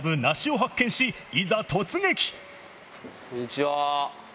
はい、こんにちは。